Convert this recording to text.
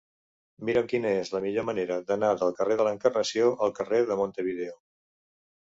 Mira'm quina és la millor manera d'anar del carrer de l'Encarnació al carrer de Montevideo.